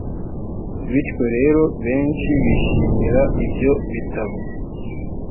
bityo rero benshi bishimira ibyo bitabo